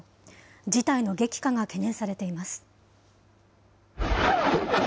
事態の激化が懸念されています。